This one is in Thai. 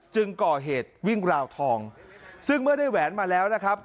จึงก่อเหตุวิ่งราวทองซึ่งเมื่อได้แหวนมาแล้วนะครับ